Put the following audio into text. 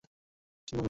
এটা আমার পছন্দ নয়।